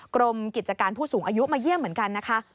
กรมกิจการผู้สูงอายุมาเยี่ยมเหมือนกันนะคะ